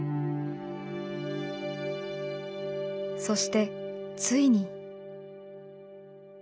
そしてついに。